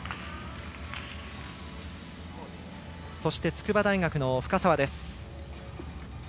そして、筑波大学の深沢です。